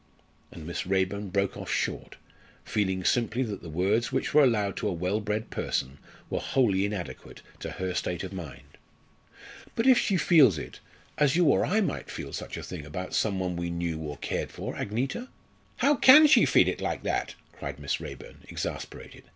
And Miss Raeburn broke off short, feeling simply that the words which were allowed to a well bred person were wholly inadequate to her state of mind. "But if she feels it as you or I might feel such a thing about some one we knew or cared for, Agneta?" "How can she feel it like that?" cried Miss Raeburn, exasperated.